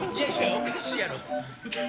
おかしいやろ！